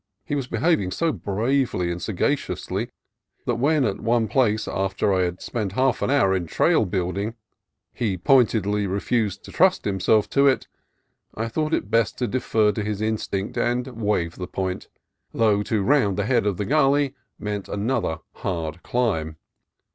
He was behaving so bravely and sagaciously that when, at one place, after I had spent half an hour in building trail, he pointedly re fused to trust himself to it, I thought it best to defer LITTLE'S SPRINGS 201 to his instinct and waive the point, though to round the head of the gully meant another hard climb.